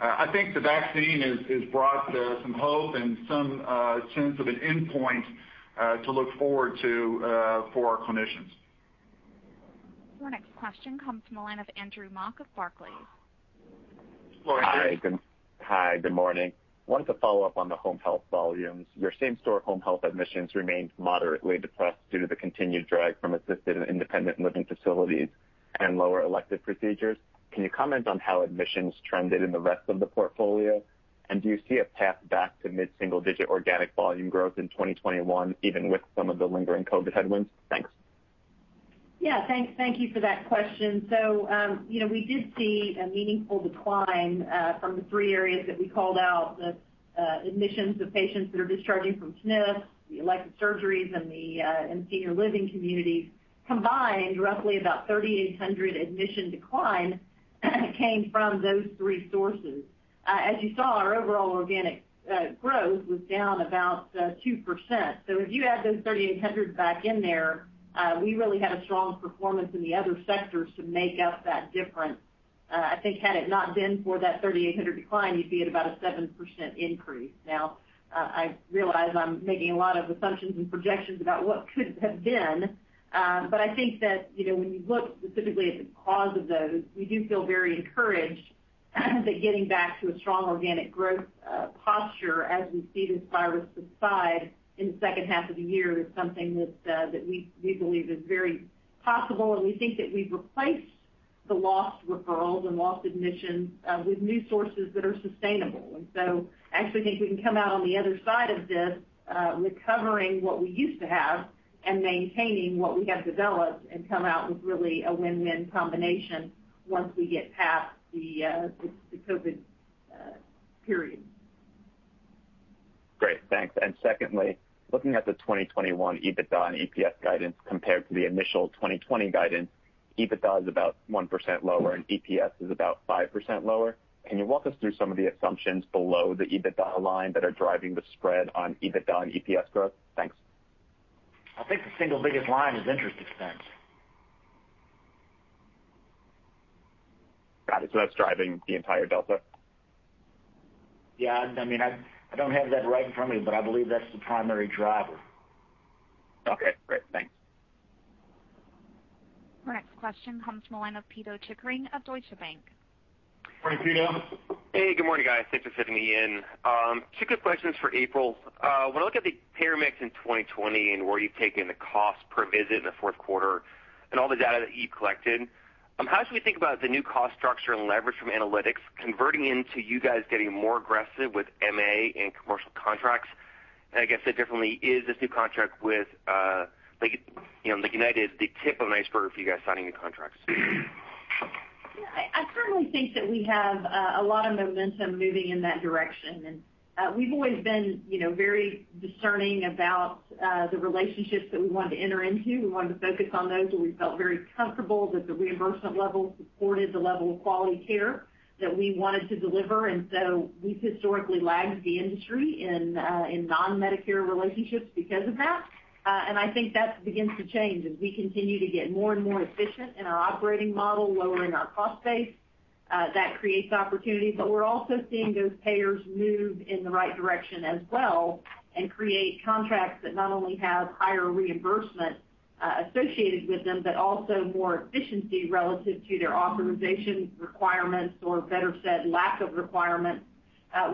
I think the vaccine has brought some hope and some sense of an endpoint to look forward to for our clinicians. Our next question comes from the line of Andrew Mok of Barclays. Morning, Andrew. Hi, good morning. Wanted to follow up on the home health volumes. Your same-store home health admissions remained moderately depressed due to the continued drag from assisted and independent living facilities and lower elective procedures. Can you comment on how admissions trended in the rest of the portfolio? Do you see a path back to mid-single-digit organic volume growth in 2021, even with some of the lingering COVID-19 headwinds? Thanks. Yeah. Thank you for that question. We did see a meaningful decline from the three areas that we called out. The admissions of patients that are discharging from SNFs, the elective surgeries, and the senior living communities combined, roughly about 3,800 admission decline came from those three sources. As you saw, our overall organic growth was down about 2%. If you add those 3,800 back in there, we really had a strong performance in the other sectors to make up that difference. I think had it not been for that 3,800 decline, you'd be at about a 7% increase. Now, I realize I'm making a lot of assumptions and projections about what could have been. I think that when you look specifically at the cause of those, we do feel very encouraged that getting back to a strong organic growth posture as we see this virus subside in the second half of the year is something that we believe is very possible, and we think that we've replaced the lost referrals and lost admissions with new sources that are sustainable. I actually think we can come out on the other side of this, recovering what we used to have and maintaining what we have developed and come out with really a win-win combination once we get past the COVID period. Great. Thanks. Secondly, looking at the 2021 EBITDA and EPS guidance compared to the initial 2020 guidance, EBITDA is about 1% lower and EPS is about 5% lower. Can you walk us through some of the assumptions below the EBITDA line that are driving the spread on EBITDA and EPS growth? Thanks. I think the single biggest line is interest expense. Got it. That's driving the entire delta? Yeah. I don't have that right in front of me, but I believe that's the primary driver. Okay, great. Thanks. Our next question comes from the line of Pito Chickering of Deutsche Bank. Morning, Pito. Hey, good morning, guys. Thanks for fitting me in. Two quick questions for April. When I look at the payer mix in 2020 and where you've taken the cost per visit in the fourth quarter and all the data that you've collected, how should we think about the new cost structure and leverage from analytics converting into you guys getting more aggressive with MA and commercial contracts? I guess that definitely is this new contract with United, the tip of an iceberg for you guys signing new contracts. Yeah, I certainly think that we have a lot of momentum moving in that direction. We've always been very discerning about the relationships that we wanted to enter into. We wanted to focus on those where we felt very comfortable that the reimbursement level supported the level of quality care that we wanted to deliver. We've historically lagged the industry in non-Medicare relationships because of that. I think that begins to change as we continue to get more and more efficient in our operating model, lowering our cost base. That creates opportunities. We're also seeing those payers move in the right direction as well and create contracts that not only have higher reimbursement associated with them, but also more efficiency relative to their authorization requirements or, better said, lack of requirements.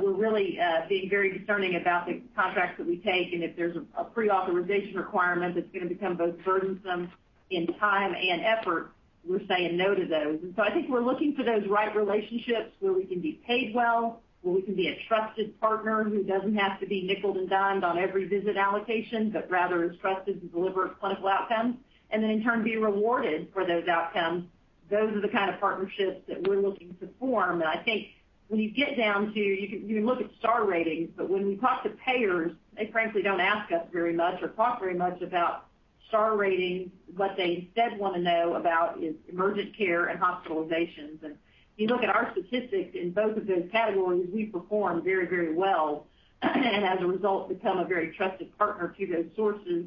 We're really being very discerning about the contracts that we take, and if there's a pre-authorization requirement that's going to become both burdensome in time and effort, we're saying no to those. I think we're looking for those right relationships where we can be paid well, where we can be a trusted partner who doesn't have to be nickeled and dimed on every visit allocation, but rather is trusted to deliver clinical outcomes, and then in turn, be rewarded for those outcomes. Those are the kind of partnerships that we're looking to form. I think when you get down to it, you can look at star ratings, but when we talk to payers, they frankly don't ask us very much or talk very much about star ratings. What they instead want to know about is emergent care and hospitalizations. If you look at our statistics in both of those categories, we perform very well and as a result, become a very trusted partner to those sources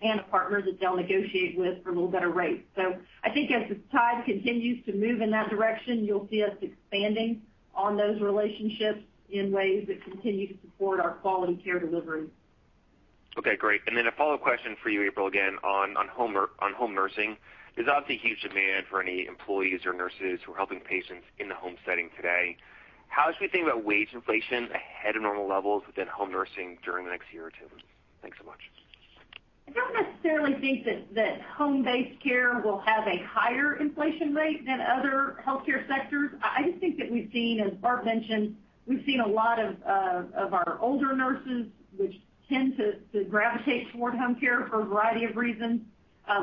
and a partner that they'll negotiate with for a little better rate. I think as the tide continues to move in that direction, you'll see us expanding on those relationships in ways that continue to support our quality care delivery. Okay, great. A follow-up question for you, April, again, on home nursing. There's obviously huge demand for any employees or nurses who are helping patients in the home setting today. How should we think about wage inflation ahead of normal levels within home nursing during the next year or two? Thanks so much. I don't necessarily think that home-based care will have a higher inflation rate than other healthcare sectors. I just think that we've seen, as Barb mentioned, we've seen a lot of our older nurses, which tend to gravitate toward home care for a variety of reasons,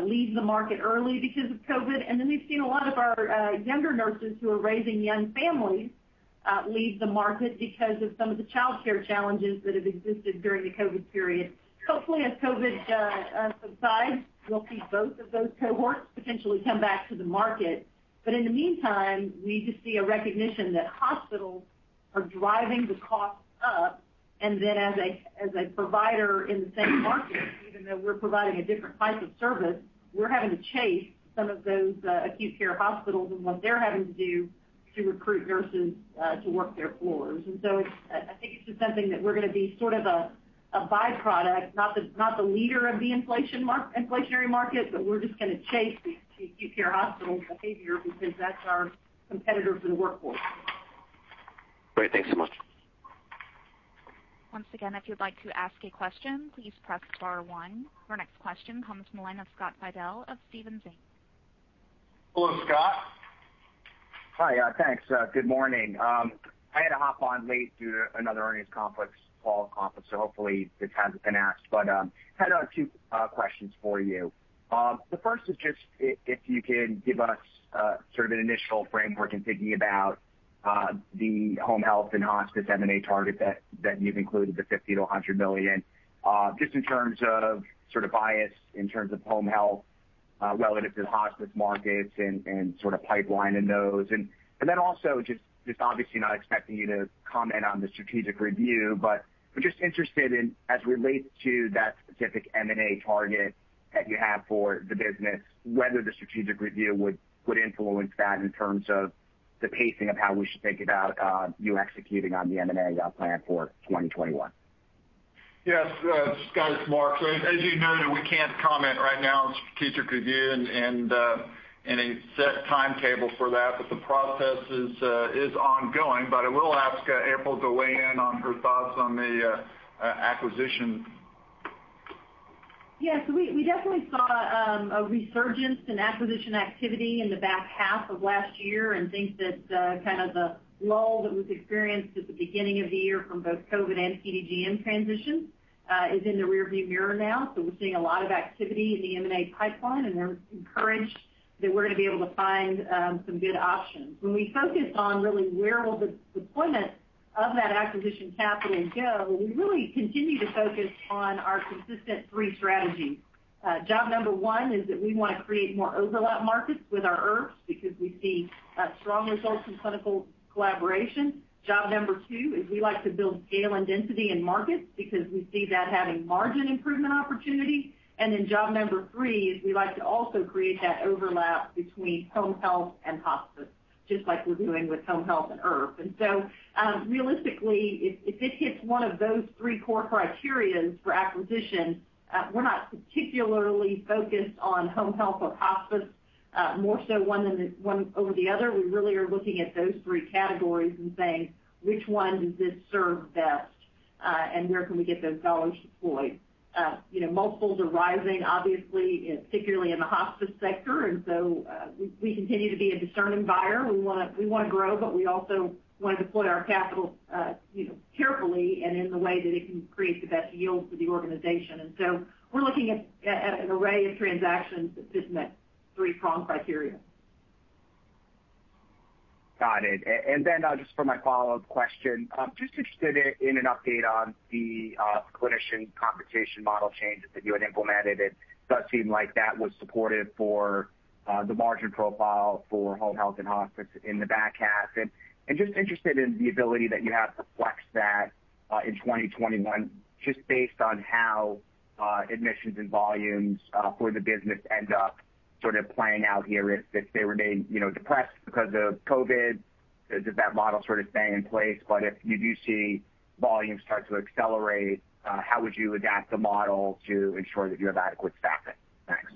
leave the market early because of COVID. Then we've seen a lot of our younger nurses who are raising young families leave the market because of some of the childcare challenges that have existed during the COVID period. Hopefully, as COVID subsides, we'll see both of those cohorts potentially come back to the market. In the meantime, we just see a recognition that hospitals are driving the costs up, and then as a provider in the same market, even though we're providing a different type of service, we're having to chase some of those acute care hospitals and what they're having to do to recruit nurses to work their floors. I think it's just something that we're going to be sort of a by-product, not the leader of the inflationary market, but we're just going to chase the acute care hospitals' behavior because that's our competitors in the workforce. Great. Thanks so much. Once again, if you'd like to ask a question, please press star one. Our next question comes from the line of Scott Fidel of Stephens Inc. Hello, Scott. Hi. Thanks. Good morning. I had to hop on late due to another earnings call conference, hopefully this hasn't been asked. I had two questions for you. The first is just if you can give us sort of an initial framework in thinking about the home health and hospice M&A target that you've included, the $50 million-$100 million, just in terms of bias, in terms of home health relative to hospice markets and pipeline in those. Also, just obviously not expecting you to comment on the strategic review. I'm just interested in, as it relates to that specific M&A target that you have for the business, whether the strategic review would influence that in terms of The pacing of how we should think about you executing on the M&A plan for 2021. Yes. Scott, it's Mark. As you noted, we can't comment right now on strategic review and any set timetable for that, but the process is ongoing. I will ask April to weigh in on her thoughts on the acquisition. Yes, we definitely saw a resurgence in acquisition activity in the back half of last year and think that kind of the lull that was experienced at the beginning of the year from both COVID and PDGM transition is in the rear view mirror now. We're seeing a lot of activity in the M&A pipeline, and we're encouraged that we're going to be able to find some good options. When we focus on really where will the deployment of that acquisition capital go, we really continue to focus on our consistent three strategies. Job number one is that we want to create more overlap markets with our IRFs because we see strong results in clinical collaboration. Job number two is we like to build scale and density in markets because we see that having margin improvement opportunity. Job number three is we like to also create that overlap between home health and hospice, just like we're doing with home health and IRF. Realistically, if it hits one of those three core criteria for acquisition, we're not particularly focused on home health or hospice more so one over the other. We really are looking at those three categories and saying, which one does this serve best? Where can we get those dollars deployed? Multiples are rising, obviously, particularly in the hospice sector, and so we continue to be a discerning buyer. We want to grow, but we also want to deploy our capital carefully and in the way that it can create the best yield for the organization. We're looking at an array of transactions that fit in that three-prong criteria. Got it. Just for my follow-up question, just interested in an update on the clinician compensation model changes that you had implemented. It does seem like that was supportive for the margin profile for home health and hospice in the back half. Just interested in the ability that you have to flex that in 2021 just based on how admissions and volumes for the business end up sort of playing out here. If they remain depressed because of COVID, does that model sort of stay in place? If you do see volumes start to accelerate, how would you adapt the model to ensure that you have adequate staffing? Thanks.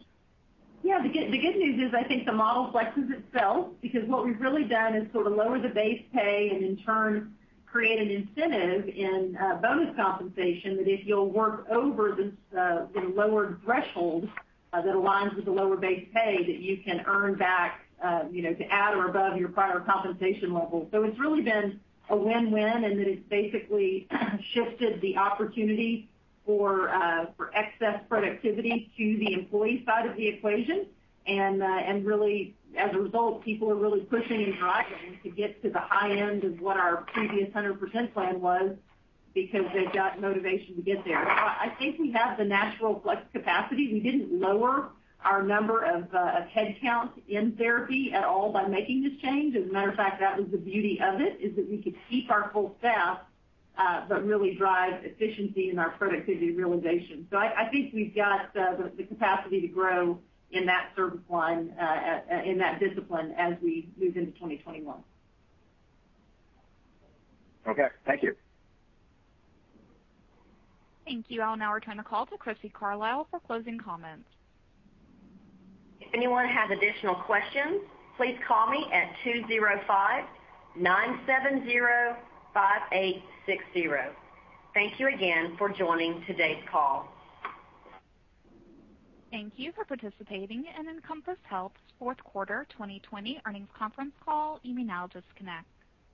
Yeah, the good news is I think the model flexes itself because what we've really done is sort of lower the base pay and in turn create an incentive in bonus compensation that if you'll work over the lowered threshold that aligns with the lower base pay, that you can earn back to at or above your prior compensation level. It's really been a win-win, and that it's basically shifted the opportunity for excess productivity to the employee side of the equation. Really, as a result, people are really pushing and driving to get to the high end of what our previous 100% plan was because they've got motivation to get there. I think we have the natural flex capacity. We didn't lower our number of headcount in therapy at all by making this change. As a matter of fact, that was the beauty of it, is that we could keep our full staff, but really drive efficiency in our productivity realization. I think we've got the capacity to grow in that service line, in that discipline as we move into 2021. Okay. Thank you. Thank you all. Now we're turning the call to Crissy Carlisle for closing comments. If anyone has additional questions, please call me at 205-970-5860. Thank you again for joining today's call. Thank you for participating in Encompass Health's fourth quarter 2020 earnings conference call. You may now disconnect.